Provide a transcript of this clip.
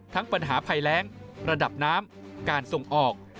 ปัญหาภัยแรงระดับน้ำการส่งออก